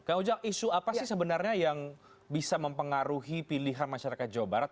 kang ujang isu apa sih sebenarnya yang bisa mempengaruhi pilihan masyarakat jawa barat